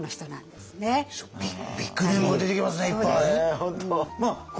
すごいビッグネームが出てきますねいっぱい。